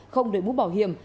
không đợi bút bảo hiểm